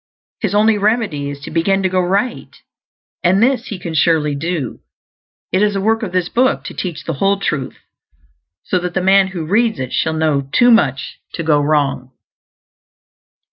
His only remedy is to begin to go right; and this he can surely do. It is the work of this book to teach the whole truth, so that the man who reads it shall know too much to go wrong.